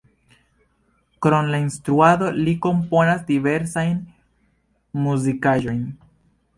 Krom la instruado li komponas diversajn muzikaĵojn.